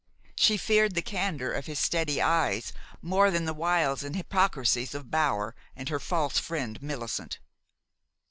She feared the candor of his steady eyes more than the wiles and hypocrisies of Bower and her false friend, Millicent.